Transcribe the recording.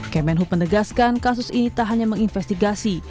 kemenhub menegaskan kasus ini tak hanya menginvestigasi